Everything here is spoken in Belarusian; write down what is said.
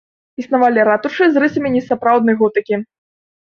Існавалі ратушы з рысамі несапраўднай готыкі.